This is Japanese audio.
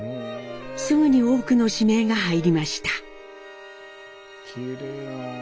すぐに多くの指名が入りました。